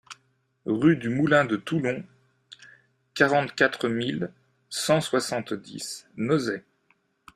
Rue du Moulin de Toulon, quarante-quatre mille cent soixante-dix Nozay